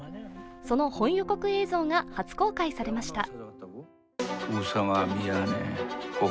その本予告映像が初公開されました。